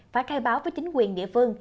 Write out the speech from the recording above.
phải khai báo với chính quyền địa phương